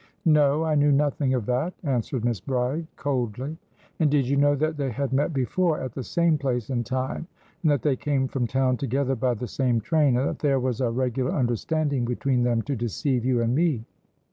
"No, I knew nothing of that," answered Miss Bride, coldly. "And did you know that they had met before, at the same place and time, and that they came from town together by the same train, and that there was a regular understanding between them to deceive you and me?"